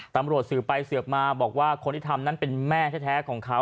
ตำรวจสืบไปสืบมาบอกว่าคนที่ทำนั้นเป็นแม่แท้ของเขา